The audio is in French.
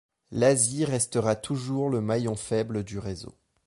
L’Asie restera toujours le maillon faible du réseau.